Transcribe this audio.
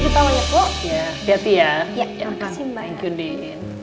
terima kasih banyak bu